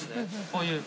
こういう。